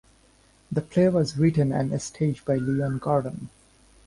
The play was written and staged by Leon Gordon.